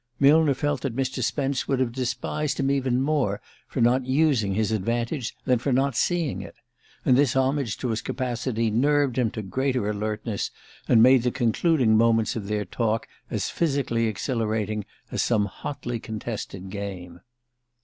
Millner felt that Mr. Spence would have despised him even more for not using his advantage than for not seeing it; and this homage to his capacity nerved him to greater alertness, and made the concluding moments of their talk as physically exhilarating as some hotly contested game.